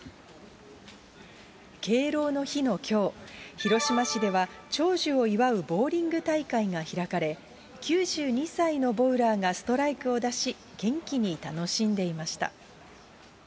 敬老の日のきょう、広島市では長寿を祝うボウリング大会が開かれ、９２歳のボウラーがストライクを出し、元気に楽しんでいました。